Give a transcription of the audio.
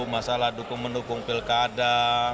masalah mendukung pilkada